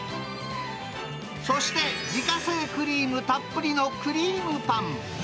そして、自家製クリームたっぷりのクリームパン。